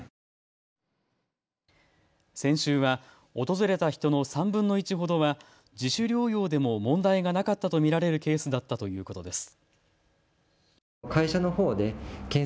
先週は訪れた人の３分の１ほどは自主療養でも問題がなかったと見られるケースだったということです。